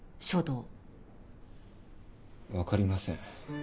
分かりません。